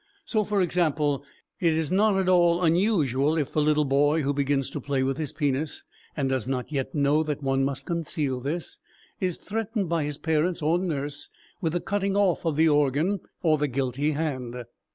So, for example, it is not at all unusual if the little boy who begins to play with his penis, and does not yet know that one must conceal this, is threatened by his parents or nurse with the cutting off of the organ or the guilty hand.